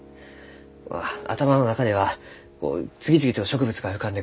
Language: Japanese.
まあ頭の中では次々と植物が浮かんでくる。